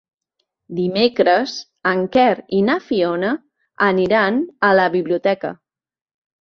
Dimecres en Quer i na Fiona aniran a la biblioteca.